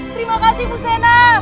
terima kasih busena